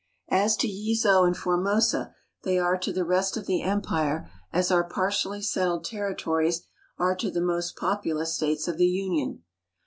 As to Yezo and Formosa they are to the rest of the empire as our partially settled territories are to the most populous states of the Union.